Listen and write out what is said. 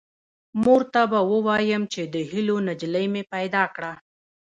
مور ته به ووایم چې د هیلو نجلۍ مې پیدا کړه